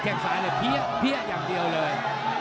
แค่งซ้ายเลยเพี้ยอย่างเดียวเลย